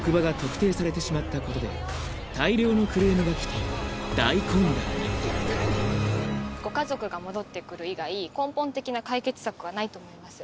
さらに来て大混乱にご家族が戻って来る以外根本的な解決策はないと思います。